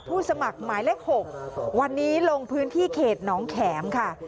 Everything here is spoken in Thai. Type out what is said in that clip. สมัครหมายเลข๖วันนี้ลงพื้นที่เขตน้องแขมค่ะ